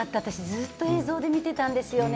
ずっと映像で見てたんですよね。